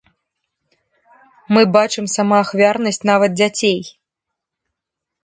Мы бачым самаахвярнасць нават дзяцей.